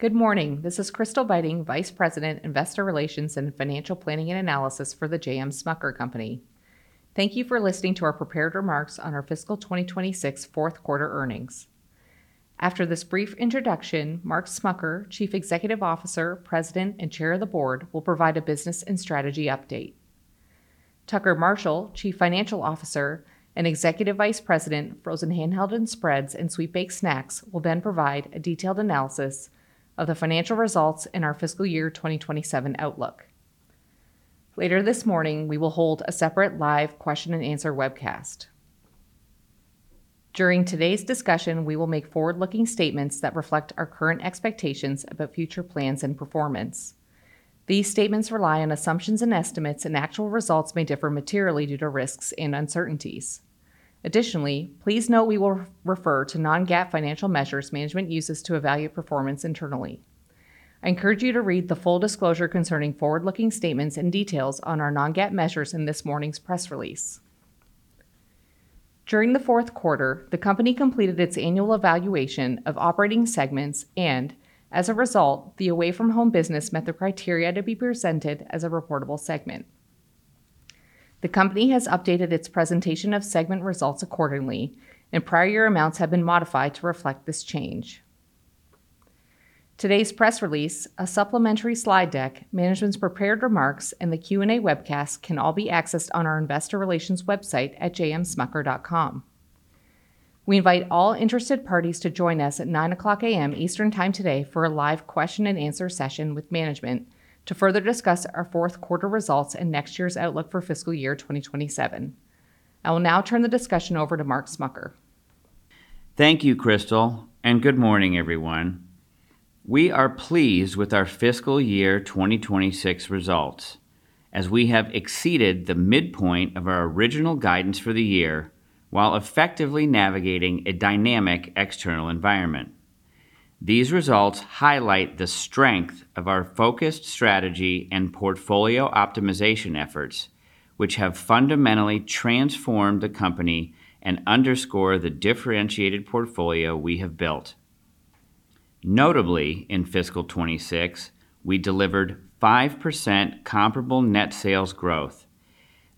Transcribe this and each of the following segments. Good morning. This is Crystal Beiting, Vice President, Investor Relations and Financial Planning and Analysis for The J. M. Smucker Company. Thank you for listening to our prepared remarks on our fiscal 2026 fourth quarter earnings. After this brief introduction, Mark Smucker, Chief Executive Officer, President, and Chair of the Board, will provide a business and strategy update. Tucker Marshall, Chief Financial Officer and Executive Vice President, Frozen Handheld and Spreads and Sweet Baked Snacks, will then provide a detailed analysis of the financial results in our fiscal year 2027 outlook. Later this morning, we will hold a separate live question and answer webcast. During today's discussion, we will make forward-looking statements that reflect our current expectations about future plans and performance. These statements rely on assumptions and estimates, and actual results may differ materially due to risks and uncertainties. Additionally, please note we will refer to non-GAAP financial measures management uses to evaluate performance internally. I encourage you to read the full disclosure concerning forward-looking statements and details on our non-GAAP measures in this morning's press release. During the fourth quarter, the company completed its annual evaluation of operating segments and, as a result, the away from home business met the criteria to be presented as a reportable segment. The company has updated its presentation of segment results accordingly, and prior year amounts have been modified to reflect this change. Today's press release, a supplementary slide deck, management's prepared remarks, and the Q&A webcast can all be accessed on our investor relations website at jmsmucker.com. We invite all interested parties to join us at 9:00 A.M. Eastern Time today for a live question and answer session with management to further discuss our fourth quarter results and next year's outlook for fiscal year 2027. I will now turn the discussion over to Mark Smucker. Thank you, Crystal, and good morning, everyone. We are pleased with our fiscal year 2026 results, as we have exceeded the midpoint of our original guidance for the year while effectively navigating a dynamic external environment. These results highlight the strength of our focused strategy and portfolio optimization efforts, which have fundamentally transformed the company and underscore the differentiated portfolio we have built. Notably, in fiscal 2026, we delivered 5% comparable net sales growth.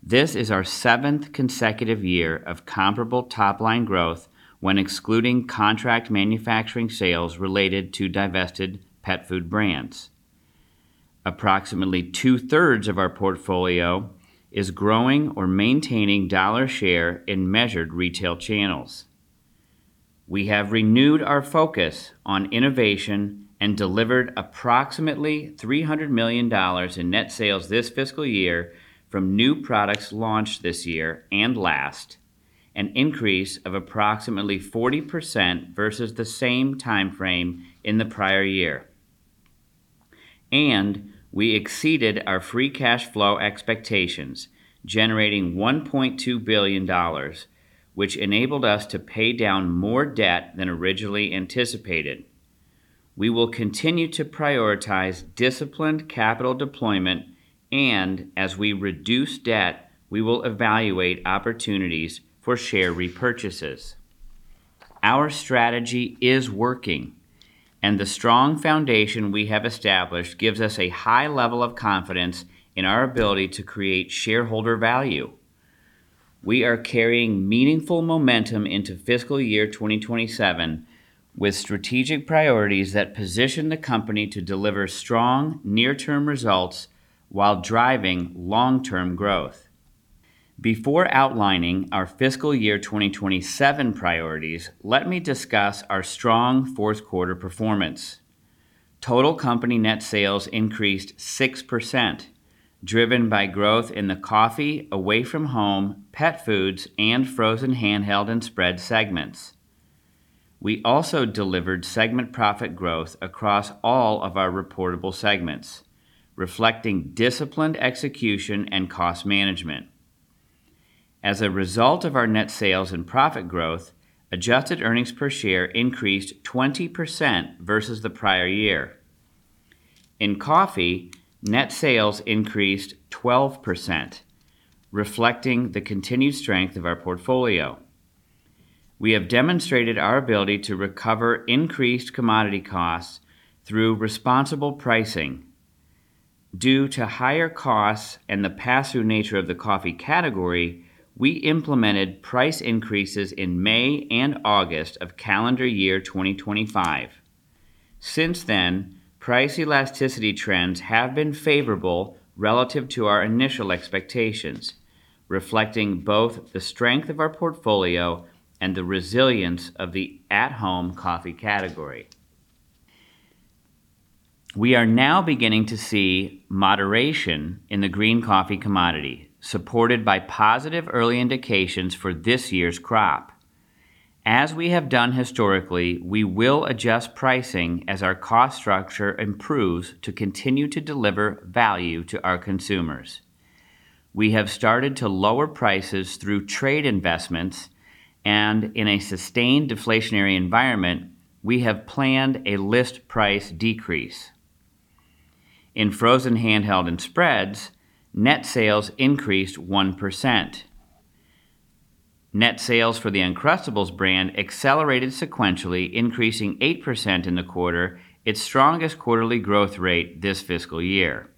This is our seventh consecutive year of comparable top-line growth when excluding contract manufacturing sales related to divested pet food brands. Approximately 2/3 of our portfolio is growing or maintaining dollar share in measured retail channels. We have renewed our focus on innovation and delivered approximately $300 million in net sales this fiscal year from new products launched this year and last, an increase of approximately 40% versus the same timeframe in the prior year. We exceeded our free cash flow expectations, generating $1.2 billion, which enabled us to pay down more debt than originally anticipated. We will continue to prioritize disciplined capital deployment, and as we reduce debt, we will evaluate opportunities for share repurchases. Our strategy is working, and the strong foundation we have established gives us a high level of confidence in our ability to create shareholder value. We are carrying meaningful momentum into fiscal year 2027 with strategic priorities that position the company to deliver strong near-term results while driving long-term growth. Before outlining our fiscal year 2027 priorities, let me discuss our strong fourth quarter performance. Total company net sales increased 6%, driven by growth in the coffee, away from home, pet foods, and frozen handheld and spread segments. We also delivered segment profit growth across all of our reportable segments, reflecting disciplined execution and cost management. As a result of our net sales and profit growth, adjusted earnings per share increased 20% versus the prior year. In coffee, net sales increased 12%, reflecting the continued strength of our portfolio. We have demonstrated our ability to recover increased commodity costs through responsible pricing. Due to higher costs and the pass-through nature of the coffee category, we implemented price increases in May and August of calendar year 2025. Since then, price elasticity trends have been favorable relative to our initial expectations, reflecting both the strength of our portfolio and the resilience of the at-home coffee category. We are now beginning to see moderation in the green coffee commodity, supported by positive early indications for this year's crop. As we have done historically, we will adjust pricing as our cost structure improves to continue to deliver value to our consumers. We have started to lower prices through trade investments. In a sustained deflationary environment, we have planned a list price decrease. In frozen handheld and spreads, net sales increased 1%. Net sales for the Uncrustables brand accelerated sequentially, increasing 8% in the quarter, its strongest quarterly growth rate this fiscal year.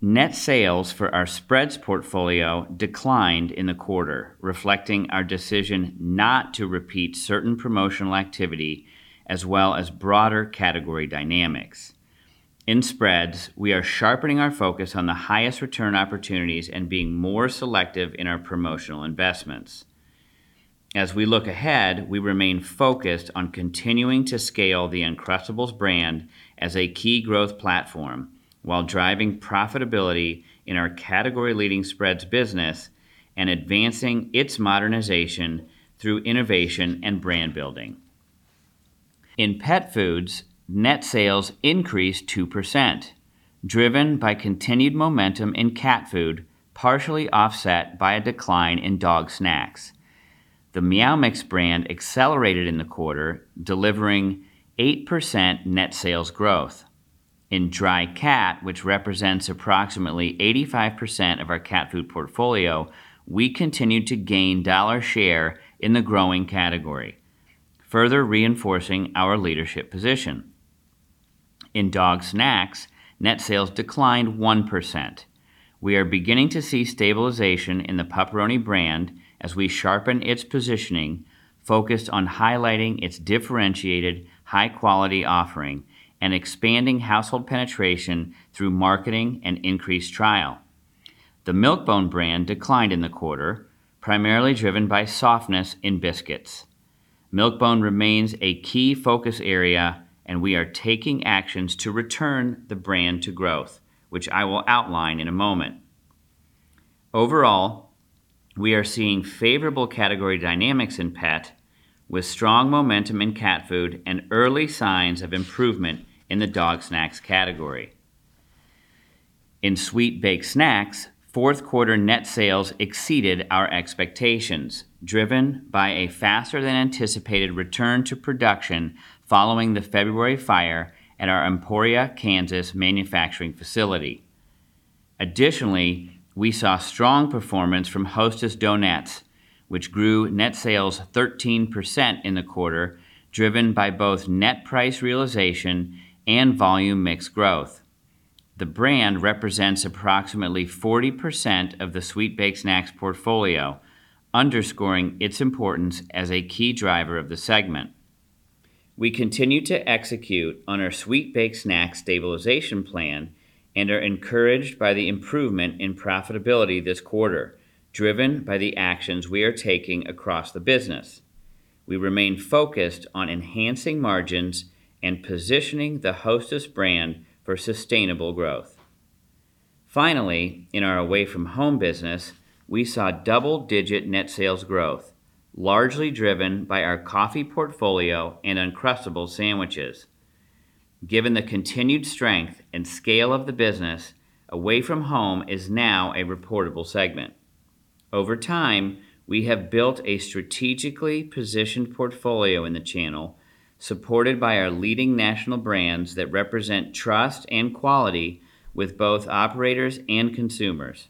Net sales for our spreads portfolio declined in the quarter, reflecting our decision not to repeat certain promotional activity, as well as broader category dynamics. In spreads, we are sharpening our focus on the highest return opportunities and being more selective in our promotional investments. As we look ahead, we remain focused on continuing to scale the Uncrustables brand as a key growth platform while driving profitability in our category-leading spreads business and advancing its modernization through innovation and brand building. In pet foods, net sales increased 2%, driven by continued momentum in cat food, partially offset by a decline in dog snacks. The Meow Mix brand accelerated in the quarter, delivering 8% net sales growth. In dry cat, which represents approximately 85% of our cat food portfolio, we continued to gain dollar share in the growing category, further reinforcing our leadership position. In dog snacks, net sales declined 1%. We are beginning to see stabilization in the Pup-Peroni brand as we sharpen its positioning, focused on highlighting its differentiated high-quality offering and expanding household penetration through marketing and increased trial. The Milk-Bone brand declined in the quarter, primarily driven by softness in biscuits. Milk-Bone remains a key focus area. We are taking actions to return the brand to growth, which I will outline in a moment. Overall, we are seeing favorable category dynamics in pet, with strong momentum in cat food and early signs of improvement in the dog snacks category. In sweet baked snacks, fourth quarter net sales exceeded our expectations, driven by a faster-than-anticipated return to production following the February fire at our Emporia, Kansas, manufacturing facility. Additionally, we saw strong performance from Hostess Donettes, which grew net sales 13% in the quarter, driven by both net price realization and volume mix growth. The brand represents approximately 40% of the sweet baked snacks portfolio, underscoring its importance as a key driver of the segment. We continue to execute on our sweet baked snack stabilization plan and are encouraged by the improvement in profitability this quarter, driven by the actions we are taking across the business. We remain focused on enhancing margins and positioning the Hostess brand for sustainable growth. Finally, in our Away From Home business, we saw double-digit net sales growth, largely driven by our coffee portfolio and Uncrustables sandwiches. Given the continued strength and scale of the business, Away From Home is now a reportable segment. Over time, we have built a strategically positioned portfolio in the channel, supported by our leading national brands that represent trust and quality with both operators and consumers.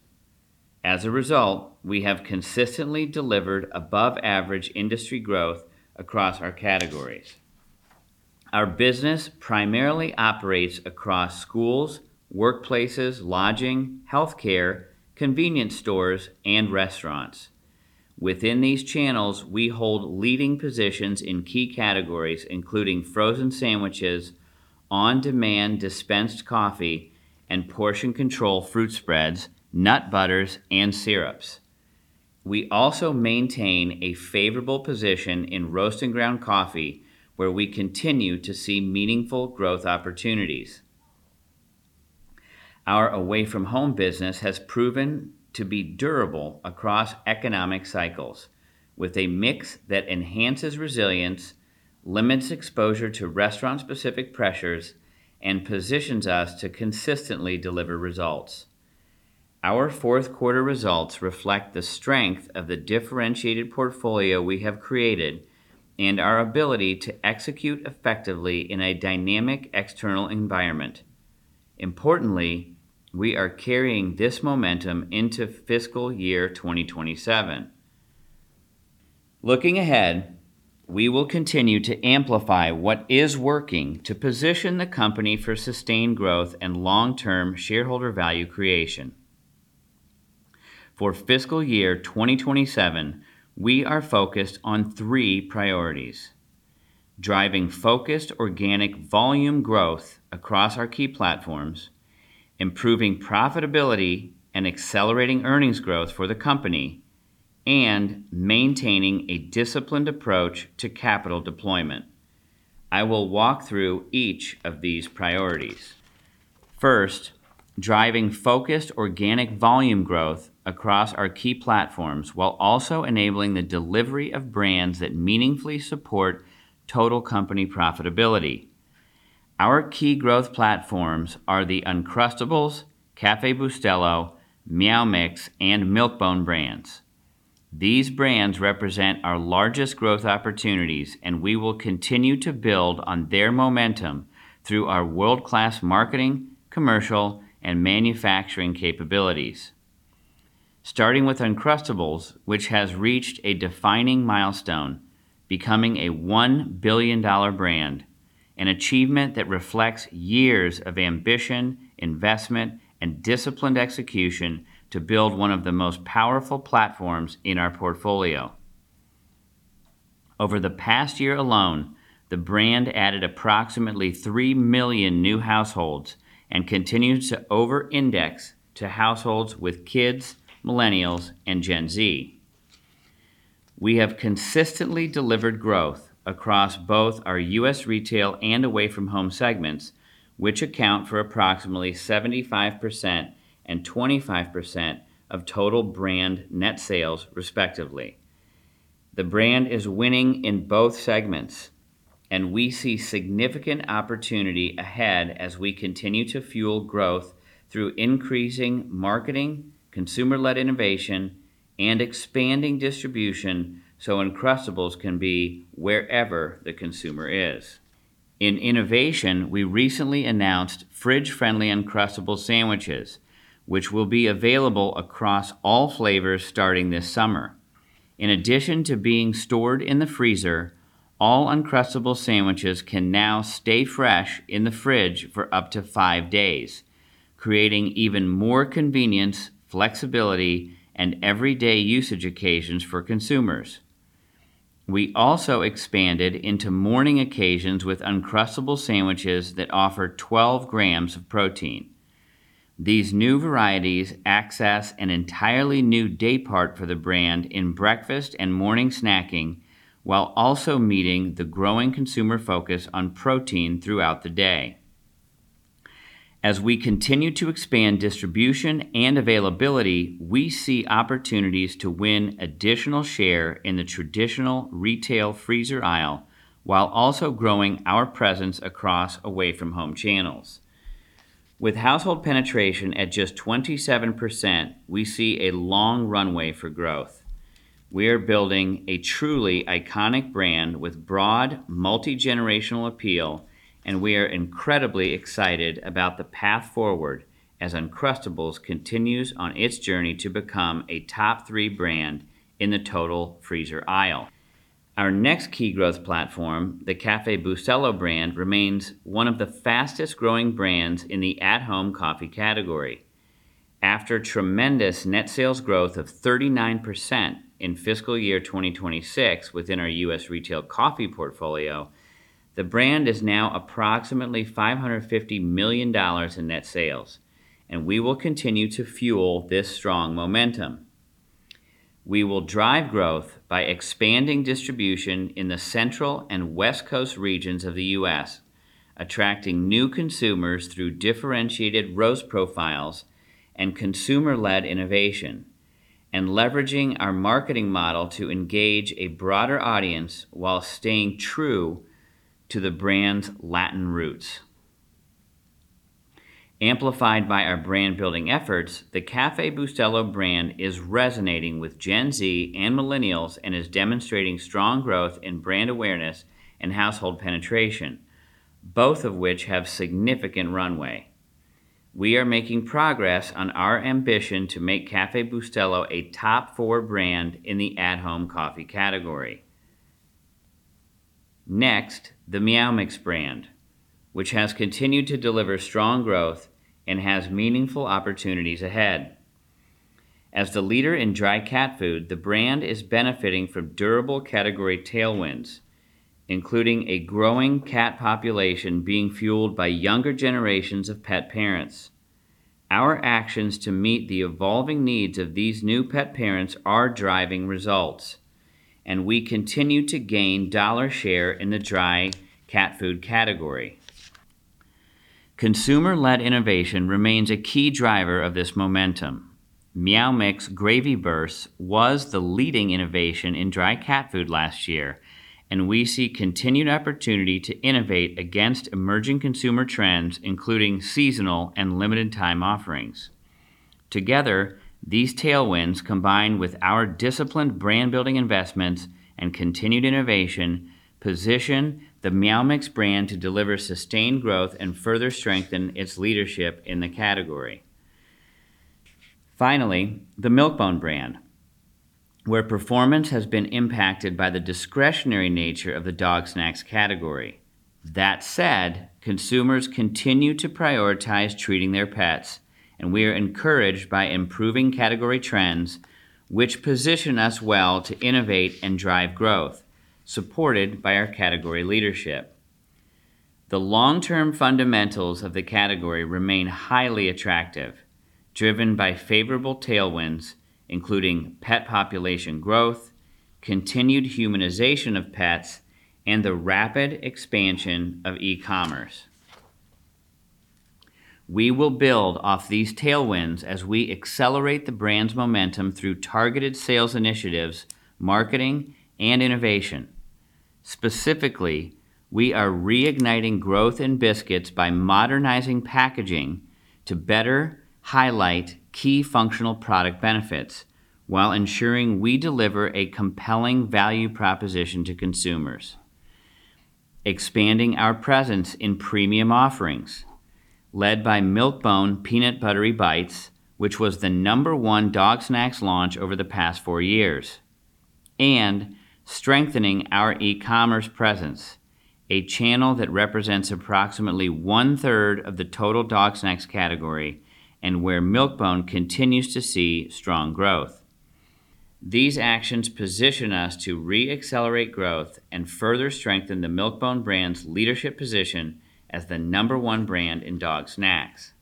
As a result, we have consistently delivered above-average industry growth across our categories. Our business primarily operates across schools, workplaces, lodging, healthcare, convenience stores, and restaurants. Within these channels, we hold leading positions in key categories, including frozen sandwiches, on-demand dispensed coffee, and portion control fruit spreads, nut butters, and syrups. We also maintain a favorable position in roast and ground coffee, where we continue to see meaningful growth opportunities. Our Away From Home business has proven to be durable across economic cycles with a mix that enhances resilience, limits exposure to restaurant-specific pressures, and positions us to consistently deliver results. Our fourth quarter results reflect the strength of the differentiated portfolio we have created and our ability to execute effectively in a dynamic external environment. Importantly, we are carrying this momentum into fiscal year 2027. Looking ahead, we will continue to amplify what is working to position the company for sustained growth and long-term shareholder value creation. For fiscal year 2027, we are focused on three priorities. Driving focused organic volume growth across our key platforms, improving profitability and accelerating earnings growth for the company, and maintaining a disciplined approach to capital deployment. I will walk through each of these priorities. First, driving focused organic volume growth across our key platforms, while also enabling the delivery of brands that meaningfully support total company profitability. Our key growth platforms are the Uncrustables, Café Bustelo, Meow Mix, and Milk-Bone brands. These brands represent our largest growth opportunities, and we will continue to build on their momentum through our world-class marketing, commercial, and manufacturing capabilities. Starting with Uncrustables, which has reached a defining milestone, becoming a $1 billion brand, an achievement that reflects years of ambition, investment, and disciplined execution to build one of the most powerful platforms in our portfolio. Over the past year alone, the brand added approximately 3 million new households and continues to over-index to households with kids, millennials, and Gen Z. We have consistently delivered growth across both our U.S. retail and Away From Home segments, which account for approximately 75% and 25% of total brand net sales, respectively. The brand is winning in both segments, and we see significant opportunity ahead as we continue to fuel growth through increasing marketing, consumer-led innovation, and expanding distribution so Uncrustables can be wherever the consumer is. In innovation, we recently announced fridge-friendly Uncrustables sandwiches, which will be available across all flavors starting this summer. In addition to being stored in the freezer, all Uncrustables sandwiches can now stay fresh in the fridge for up to five days, creating even more convenience, flexibility, and everyday usage occasions for consumers. We also expanded into morning occasions with Uncrustables sandwiches that offer 12 g of protein. These new varieties access an entirely new day part for the brand in breakfast and morning snacking, while also meeting the growing consumer focus on protein throughout the day. As we continue to expand distribution and availability, we see opportunities to win additional share in the traditional retail freezer aisle, while also growing our presence across away from home channels. With household penetration at just 27%, we see a long runway for growth. We are building a truly iconic brand with broad multi-generational appeal, and we are incredibly excited about the path forward as Uncrustables continues on its journey to become a top three brand in the total freezer aisle. Our next key growth platform, the Café Bustelo brand, remains one of the fastest-growing brands in the at-home coffee category. After tremendous net sales growth of 39% in fiscal year 2026 within our U.S. retail coffee portfolio, the brand is now approximately $550 million in net sales, and we will continue to fuel this strong momentum. We will drive growth by expanding distribution in the Central and West Coast regions of the U.S., attracting new consumers through differentiated roast profiles and consumer-led innovation, and leveraging our marketing model to engage a broader audience while staying true to the brand's Latin roots. Amplified by our brand-building efforts, the Café Bustelo brand is resonating with Gen Z and millennials and is demonstrating strong growth in brand awareness and household penetration, both of which have significant runway. We are making progress on our ambition to make Café Bustelo a top four brand in the at-home coffee category. Next, the Meow Mix brand, which has continued to deliver strong growth and has meaningful opportunities ahead. As the leader in dry cat food, the brand is benefiting from durable category tailwinds, including a growing cat population being fueled by younger generations of pet parents. Our actions to meet the evolving needs of these new pet parents are driving results, and we continue to gain dollar share in the dry cat food category. Consumer-led innovation remains a key driver of this momentum. Meow Mix Gravy Bursts was the leading innovation in dry cat food last year, and we see continued opportunity to innovate against emerging consumer trends, including seasonal and limited time offerings. Together, these tailwinds, combined with our disciplined brand-building investments and continued innovation, position the Meow Mix brand to deliver sustained growth and further strengthen its leadership in the category. Finally, the Milk-Bone brand, where performance has been impacted by the discretionary nature of the dog snacks category. That said, consumers continue to prioritize treating their pets, and we are encouraged by improving category trends, which position us well to innovate and drive growth, supported by our category leadership. The long-term fundamentals of the category remain highly attractive, driven by favorable tailwinds, including pet population growth, continued humanization of pets, and the rapid expansion of e-commerce. We will build off these tailwinds as we accelerate the brand's momentum through targeted sales initiatives, marketing, and innovation. Specifically, we are reigniting growth in biscuits by modernizing packaging to better highlight key functional product benefits while ensuring we deliver a compelling value proposition to consumers. Expanding our presence in premium offerings led by Milk-Bone Peanut Buttery Bites, which was the number one dog snacks launch over the past four years, and strengthening our e-commerce presence, a channel that represents approximately 1/3 of the total dog snacks category, and where Milk-Bone continues to see strong growth. These actions position us to re-accelerate growth and further strengthen the Milk-Bone brand's leadership position as the number one brand in dog snacks.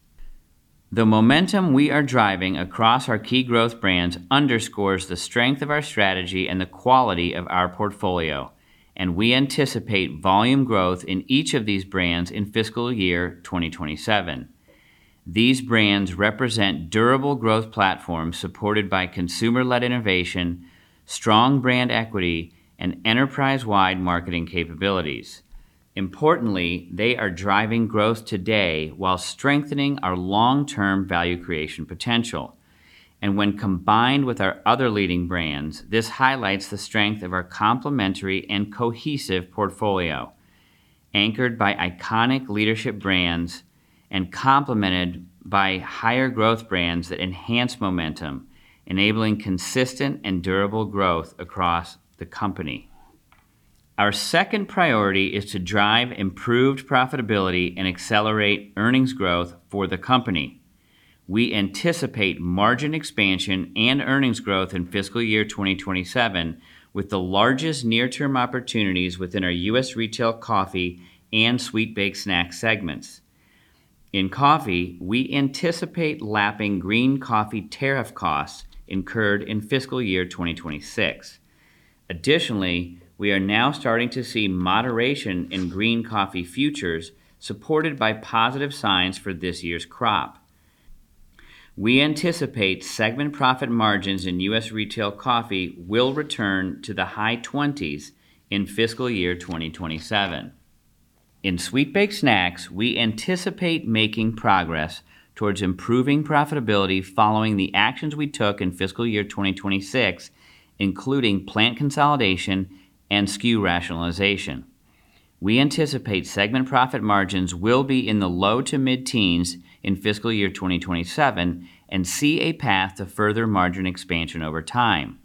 The momentum we are driving across our key growth brands underscores the strength of our strategy and the quality of our portfolio. We anticipate volume growth in each of these brands in fiscal year 2027. These brands represent durable growth platforms supported by consumer-led innovation, strong brand equity, and enterprise-wide marketing capabilities. Importantly, they are driving growth today while strengthening our long-term value creation potential. When combined with our other leading brands, this highlights the strength of our complementary and cohesive portfolio, anchored by iconic leadership brands and complemented by higher growth brands that enhance momentum, enabling consistent and durable growth across the company. Our second priority is to drive improved profitability and accelerate earnings growth for the company. We anticipate margin expansion and earnings growth in fiscal year 2027 with the largest near-term opportunities within our U.S. retail coffee and Sweet Baked Snacks segments. In coffee, we anticipate lapping green coffee tariff costs incurred in fiscal year 2026. Additionally, we are now starting to see moderation in green coffee futures supported by positive signs for this year's crop. We anticipate segment profit margins in U.S. retail coffee will return to the high-20% in fiscal year 2027. In Sweet Baked Snacks, we anticipate making progress towards improving profitability following the actions we took in fiscal year 2026, including plant consolidation and SKU rationalization. We anticipate segment profit margins will be in the low to mid-teens in fiscal year 2027 and see a path to further margin expansion over time.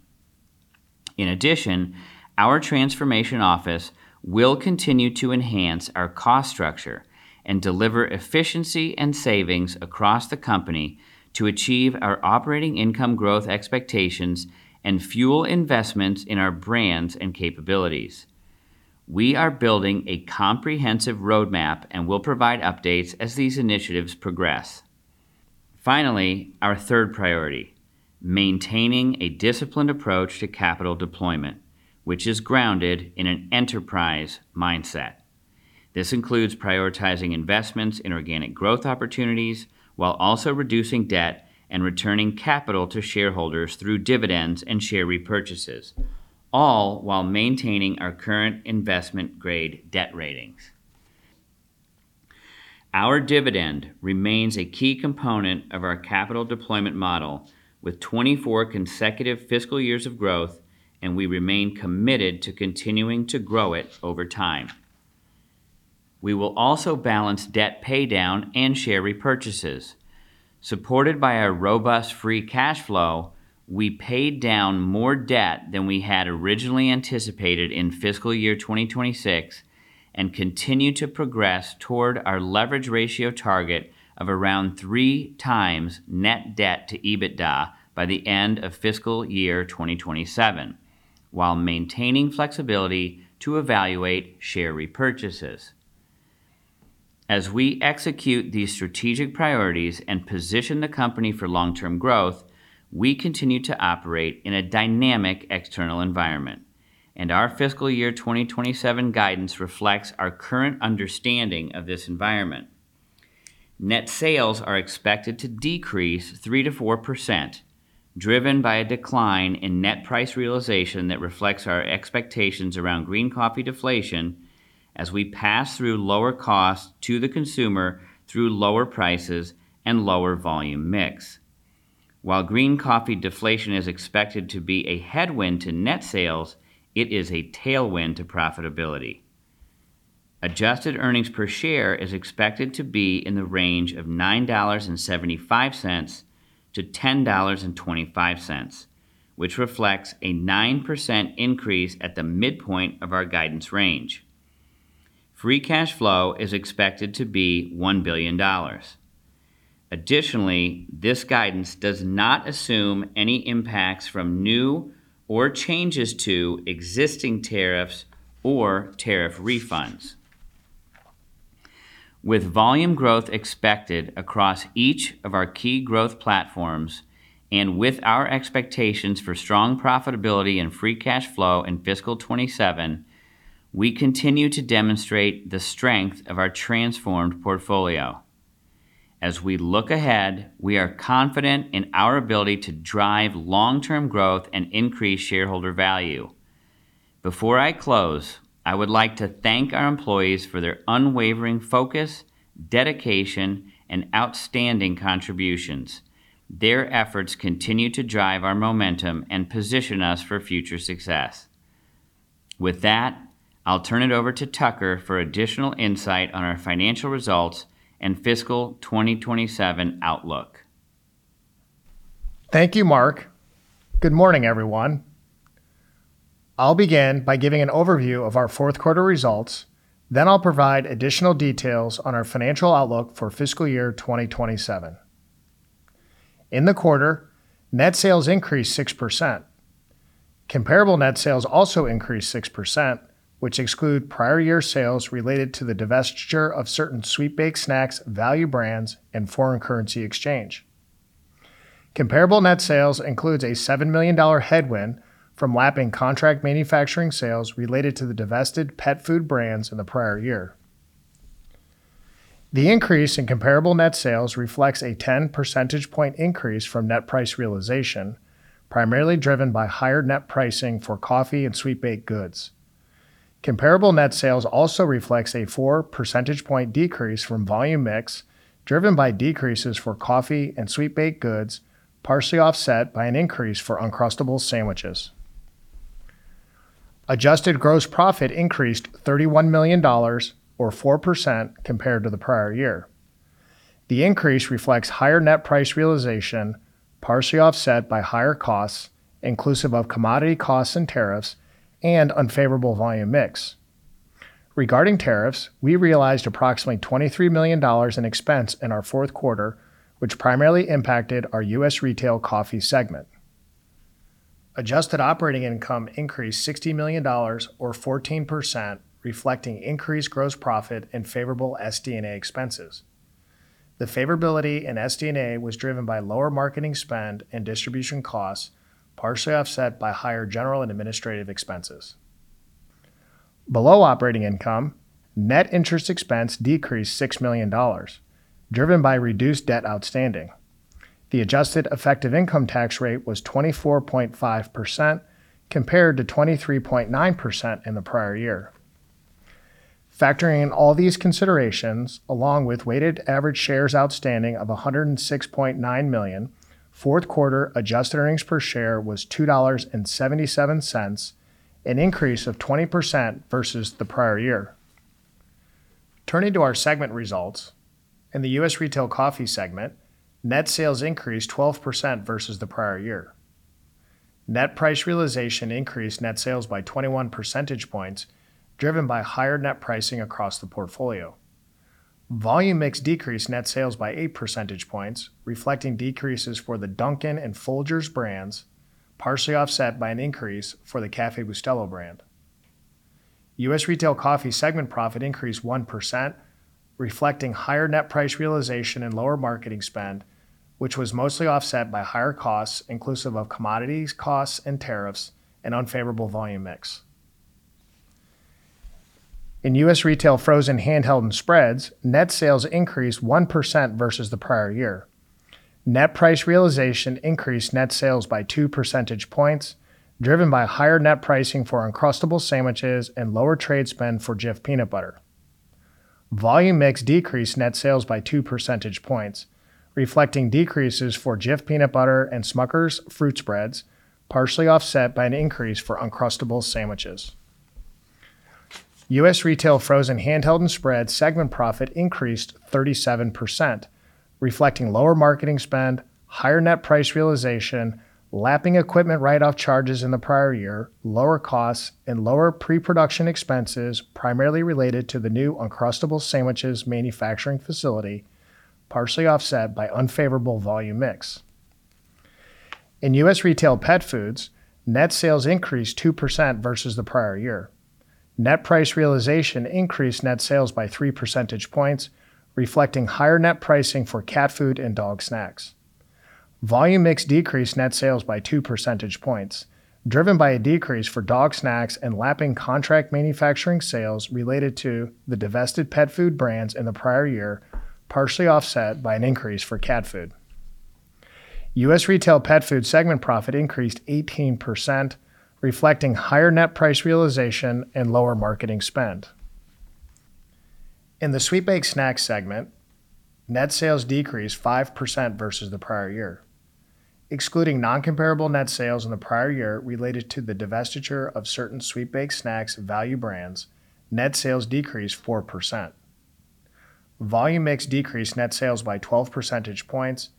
In addition, our transformation office will continue to enhance our cost structure and deliver efficiency and savings across the company to achieve our operating income growth expectations and fuel investments in our brands and capabilities. We are building a comprehensive roadmap and will provide updates as these initiatives progress. Finally, our third priority, maintaining a disciplined approach to capital deployment, which is grounded in an enterprise mindset. This includes prioritizing investments in organic growth opportunities while also reducing debt and returning capital to shareholders through dividends and share repurchases, all while maintaining our current investment-grade debt ratings. Our dividend remains a key component of our capital deployment model with 24 consecutive fiscal years of growth. We remain committed to continuing to grow it over time. We will also balance debt paydown and share repurchases. Supported by our robust free cash flow, we paid down more debt than we had originally anticipated in fiscal year 2026 and continue to progress toward our leverage ratio target of around 3x net debt to EBITDA by the end of fiscal year 2027, while maintaining flexibility to evaluate share repurchases. As we execute these strategic priorities and position the company for long-term growth, we continue to operate in a dynamic external environment, and our fiscal year 2027 guidance reflects our current understanding of this environment. Net sales are expected to decrease 3%-4%, driven by a decline in net price realization that reflects our expectations around green coffee deflation as we pass through lower costs to the consumer through lower prices and lower volume mix. While green coffee deflation is expected to be a headwind to net sales, it is a tailwind to profitability. Adjusted earnings per share is expected to be in the range of $9.75-$10.25, which reflects a 9% increase at the midpoint of our guidance range. Free cash flow is expected to be $1 billion. Additionally, this guidance does not assume any impacts from new or changes to existing tariffs or tariff refunds. With volume growth expected across each of our key growth platforms, and with our expectations for strong profitability and free cash flow in fiscal 2027, we continue to demonstrate the strength of our transformed portfolio. As we look ahead, we are confident in our ability to drive long-term growth and increase shareholder value. Before I close, I would like to thank our employees for their unwavering focus, dedication, and outstanding contributions. Their efforts continue to drive our momentum and position us for future success. With that, I'll turn it over to Tucker for additional insight on our financial results and fiscal 2027 outlook. Thank you, Mark. Good morning, everyone. I'll begin by giving an overview of our fourth quarter results, then I'll provide additional details on our financial outlook for fiscal year 2027. In the quarter, net sales increased 6%. Comparable net sales also increased 6%, which exclude prior year sales related to the divestiture of certain sweet baked snacks, value brands, and foreign currency exchange. Comparable net sales includes a $7 million headwind from lapping contract manufacturing sales related to the divested pet food brands in the prior year. The increase in comparable net sales reflects a 10 percentage point increase from net price realization, primarily driven by higher net pricing for coffee and sweet baked goods. Comparable net sales also reflects a 4 percentage point decrease from volume mix, driven by decreases for coffee and sweet baked goods, partially offset by an increase for Uncrustables sandwiches. Adjusted gross profit increased $31 million, or 4% compared to the prior year. The increase reflects higher net price realization, partially offset by higher costs, inclusive of commodity costs and tariffs, and unfavorable volume mix. Regarding tariffs, we realized approximately $23 million in expense in our fourth quarter, which primarily impacted our U.S. Retail Coffee segment. Adjusted operating income increased $60 million or 14%, reflecting increased gross profit and favorable SG&A expenses. The favorability in SG&A was driven by lower marketing spend and distribution costs, partially offset by higher general and administrative expenses. Below operating income, net interest expense decreased $6 million, driven by reduced debt outstanding. The adjusted effective income tax rate was 24.5% compared to 23.9% in the prior year. Factoring in all these considerations, along with weighted average shares outstanding of 106.9 million, fourth quarter adjusted earnings per share was $2.77, an increase of 20% versus the prior year. Turning to our segment results, in the U.S. Retail Coffee segment, net sales increased 12% versus the prior year. Net price realization increased net sales by 21 percentage points, driven by higher net pricing across the portfolio. Volume mix decreased net sales by 8 percentage points, reflecting decreases for the Dunkin' and Folgers brands, partially offset by an increase for the Café Bustelo brand. U.S. Retail Coffee segment profit increased 1%, reflecting higher net price realization and lower marketing spend, which was mostly offset by higher costs inclusive of commodities costs and tariffs, and unfavorable volume mix. In U.S. Retail Frozen, Handheld, and Spreads, net sales increased 1% versus the prior year. Net price realization increased net sales by 2 percentage points, driven by higher net pricing for Uncrustables sandwiches and lower trade spend for Jif peanut butter. Volume mix decreased net sales by 2 percentage points, reflecting decreases for Jif peanut butter and Smucker's fruit spreads, partially offset by an increase for Uncrustables sandwiches. U.S. Retail Frozen, Handheld, and Spreads segment profit increased 37%, reflecting lower marketing spend, higher net price realization, lapping equipment write-off charges in the prior year, lower costs, and lower pre-production expenses primarily related to the new Uncrustables sandwiches manufacturing facility, partially offset by unfavorable volume mix. In U.S. Retail Pet Foods, net sales increased 2% versus the prior year. Net price realization increased net sales by 3 percentage points, reflecting higher net pricing for cat food and dog snacks. Volume mix decreased net sales by 2 percentage points, driven by a decrease for dog snacks and lapping contract manufacturing sales related to the divested pet food brands in the prior year, partially offset by an increase for cat food. U.S. Retail Pet Food segment profit increased 18%, reflecting higher net price realization and lower marketing spend. In the Sweet Baked Snacks segment, net sales decreased 5% versus the prior year. Excluding non-comparable net sales in the prior year related to the divestiture of certain sweet baked snacks value brands, net sales decreased 4%. Volume mix decreased net sales by 12 percentage points,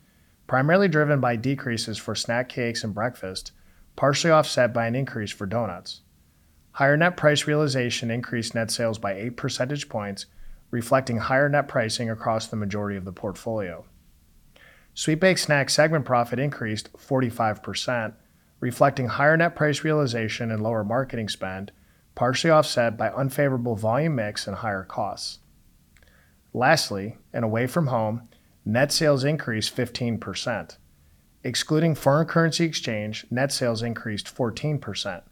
primarily driven by decreases for snack cakes and breakfast, partially offset by an increase for donuts. Higher net price realization increased net sales by 8 percentage points, reflecting higher net pricing across the majority of the portfolio. Sweet Baked Snack segment profit increased 45%, reflecting higher net price realization and lower marketing spend, partially offset by unfavorable volume mix and higher costs. Lastly, in Away From Home, net sales increased 15%. Excluding foreign currency exchange, net sales increased 14%.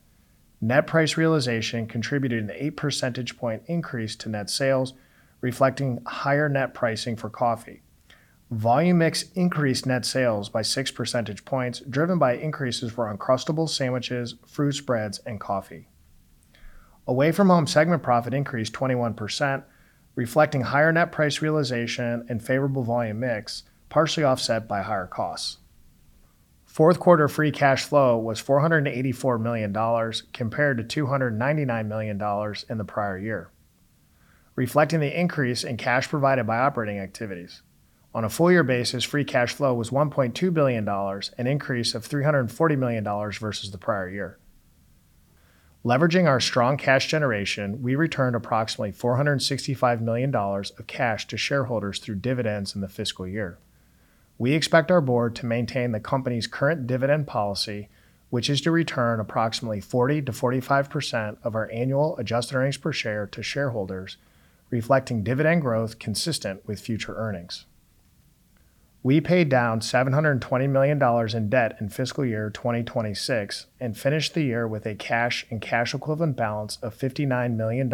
Net price realization contributed an 8 percentage point increase to net sales, reflecting higher net pricing for coffee. Volume mix increased net sales by 6 percentage points, driven by increases for Uncrustables sandwiches, fruit spreads, and coffee. Away From Home segment profit increased 21%, reflecting higher net price realization and favorable volume mix, partially offset by higher costs. Fourth quarter free cash flow was $484 million compared to $299 million in the prior year, reflecting the increase in cash provided by operating activities. On a full year basis, free cash flow was $1.2 billion, an increase of $340 million versus the prior year. Leveraging our strong cash generation, we returned approximately $465 million of cash to shareholders through dividends in the fiscal year. We expect our board to maintain the company's current dividend policy, which is to return approximately 40%-45% of our annual adjusted earnings per share to shareholders, reflecting dividend growth consistent with future earnings. We paid down $720 million in debt in fiscal year 2026 and finished the year with a cash and cash equivalent balance of $59 million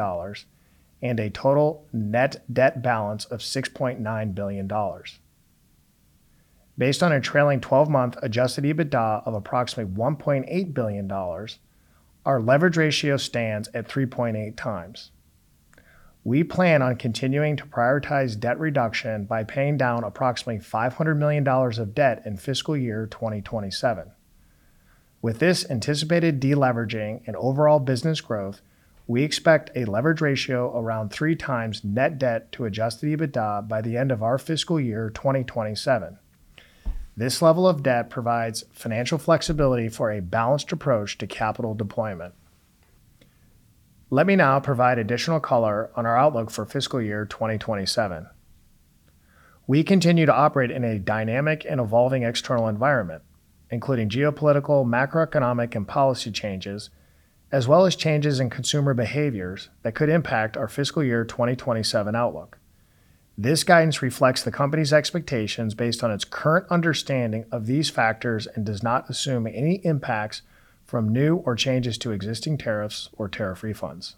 and a total net debt balance of $6.9 billion. Based on a trailing 12-month adjusted EBITDA of approximately $1.8 billion, our leverage ratio stands at 3.8x. We plan on continuing to prioritize debt reduction by paying down approximately $500 million of debt in fiscal year 2027. With this anticipated deleveraging and overall business growth, we expect a leverage ratio around 3x net debt to adjusted EBITDA by the end of our fiscal year 2027. This level of debt provides financial flexibility for a balanced approach to capital deployment. Let me now provide additional color on our outlook for fiscal year 2027. We continue to operate in a dynamic and evolving external environment, including geopolitical, macroeconomic, and policy changes, as well as changes in consumer behaviors that could impact our fiscal year 2027 outlook. This guidance reflects the company's expectations based on its current understanding of these factors and does not assume any impacts from new or changes to existing tariffs or tariff refunds.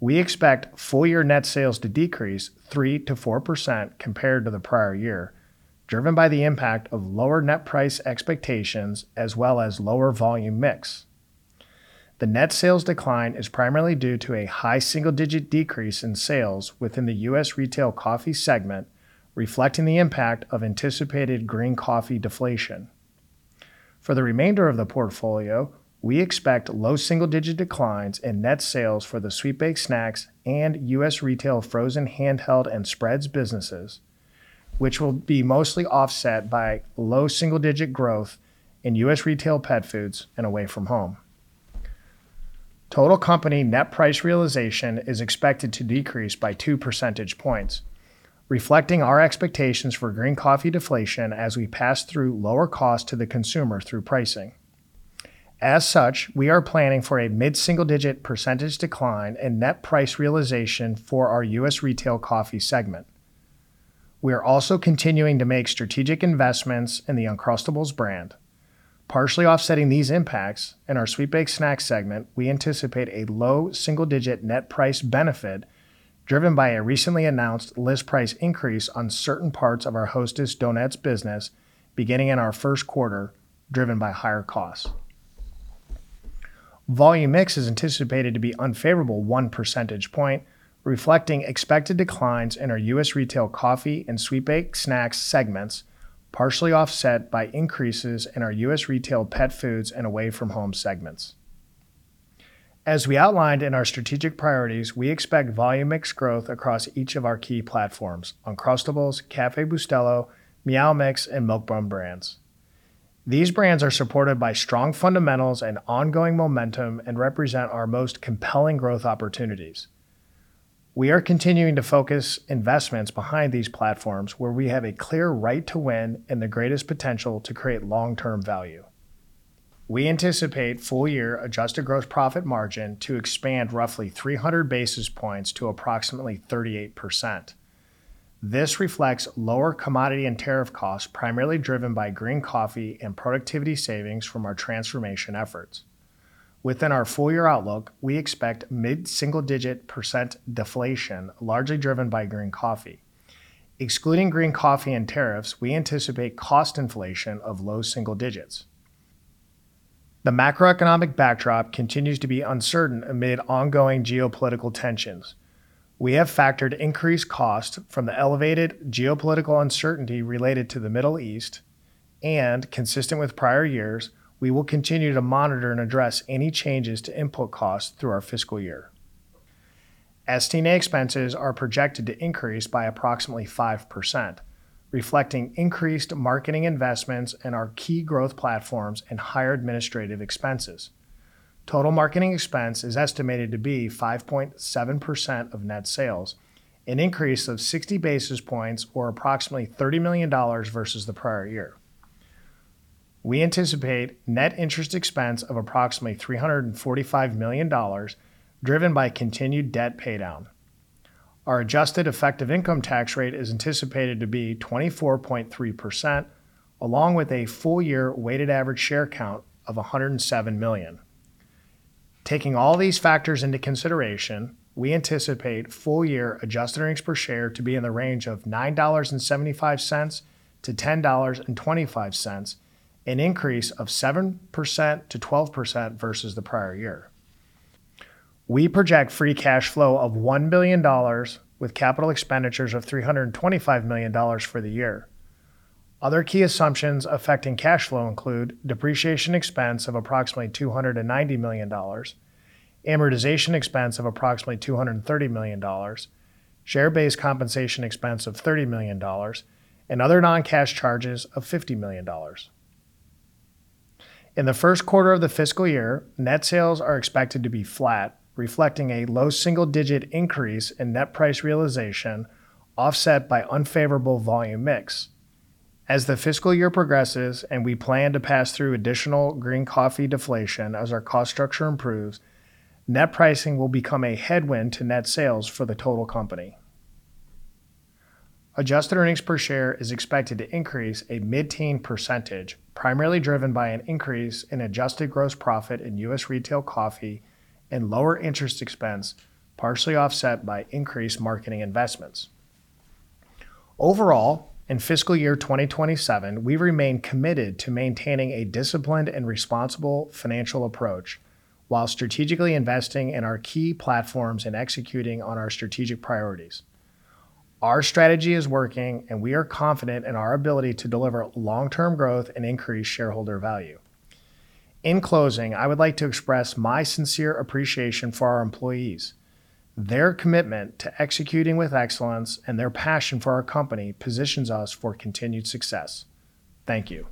We expect full year net sales to decrease 3%-4% compared to the prior year, driven by the impact of lower net price expectations as well as lower volume mix. The net sales decline is primarily due to a high single-digit decrease in sales within the U.S. Retail Coffee segment, reflecting the impact of anticipated green coffee deflation. For the remainder of the portfolio, we expect low double-digit declines in net sales for the sweet baked snacks and U.S. Retail Frozen Handheld and Spreads businesses, which will be mostly offset by low single-digit growth in U.S. retail pet foods and Away From Home. Total company net price realization is expected to decrease by 2 percentage points, reflecting our expectations for green coffee deflation as we pass through lower cost to the consumer through pricing. As such, we are planning for a mid-single-digit percentage decline in net price realization for our U.S. retail coffee segment. We are also continuing to make strategic investments in the Uncrustables brand. Partially offsetting these impacts in our sweet baked snacks segment, we anticipate a low single-digit net price benefit driven by a recently announced list price increase on certain parts of our Hostess Donettes business beginning in our first quarter, driven by higher costs. Volume mix is anticipated to be unfavorable 1 percentage point, reflecting expected declines in our U.S. Retail Coffee and Sweet Baked Snacks segments, partially offset by increases in our U.S. Retail Pet Foods and away from home segments. As we outlined in our strategic priorities, we expect volume mix growth across each of our key platforms, Uncrustables, Café Bustelo, Meow Mix, and Milk-Bone brands. These brands are supported by strong fundamentals and ongoing momentum and represent our most compelling growth opportunities. We are continuing to focus investments behind these platforms where we have a clear right to win and the greatest potential to create long-term value. We anticipate full year adjusted gross profit margin to expand roughly 300 basis points to approximately 38%. This reflects lower commodity and tariff costs, primarily driven by green coffee and productivity savings from our transformation efforts. Within our full year outlook, we expect mid-single-digit percent deflation, largely driven by green coffee. Excluding green coffee and tariffs, we anticipate cost inflation of low single digits. The macroeconomic backdrop continues to be uncertain amid ongoing geopolitical tensions. We have factored increased costs from the elevated geopolitical uncertainty related to the Middle East and consistent with prior years, we will continue to monitor and address any changes to input costs through our fiscal year. SG&A expenses are projected to increase by approximately 5%, reflecting increased marketing investments in our key growth platforms and higher administrative expenses. Total marketing expense is estimated to be 5.7% of net sales, an increase of 60 basis points or approximately $30 million versus the prior year. We anticipate net interest expense of approximately $345 million, driven by continued debt paydown. Our adjusted effective income tax rate is anticipated to be 24.3%, along with a full year weighted average share count of 107 million. Taking all these factors into consideration, we anticipate full year adjusted earnings per share to be in the range of $9.75-$10.25, an increase of 7%-12% versus the prior year. We project free cash flow of $1 billion with capital expenditures of $325 million for the year. Other key assumptions affecting cash flow include depreciation expense of approximately $290 million, amortization expense of approximately $230 million, share-based compensation expense of $30 million, and other non-cash charges of $50 million. In the first quarter of the fiscal year, net sales are expected to be flat, reflecting a low single-digit increase in net price realization offset by unfavorable volume mix. As the fiscal year progresses and we plan to pass through additional green coffee deflation as our cost structure improves, net pricing will become a headwind to net sales for the total company. Adjusted earnings per share is expected to increase a mid-teen percentage, primarily driven by an increase in adjusted gross profit in U.S. Retail Coffee and lower interest expense, partially offset by increased marketing investments. Overall, in fiscal year 2027, we remain committed to maintaining a disciplined and responsible financial approach while strategically investing in our key platforms and executing on our strategic priorities. Our strategy is working, and we are confident in our ability to deliver long-term growth and increase shareholder value. In closing, I would like to express my sincere appreciation for our employees. Their commitment to executing with excellence and their passion for our company positions us for continued success. Thank you.